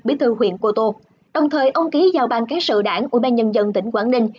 bí thư huyện cô tô đồng thời ông ký giao ban cán sự đảng ủy ban nhân dân tỉnh quảng ninh